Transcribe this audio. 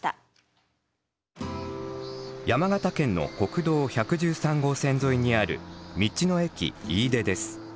山形県の国道１１３号線沿いにある道の駅いいでです。